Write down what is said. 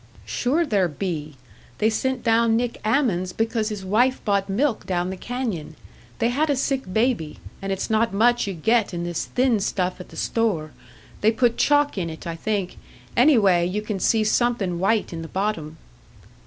"Sure there be! They sent down Nick Ammons because his wife bought milk down the canyon. They had a sick baby, and it's not much you get in this thin stuff at the store. They put chalk in it, I think; any way, you can see somethin' white in the bottom."